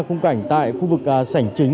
khung cảnh tại khu vực sảnh chính